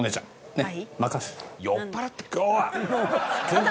ねっ？